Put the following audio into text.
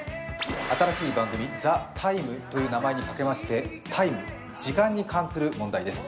新しい番組「ＴＨＥＴＩＭＥ，」という名前にかけましてタイム、時間に関する問題です。